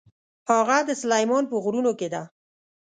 هغه د سلیمان په غرونو کې ده.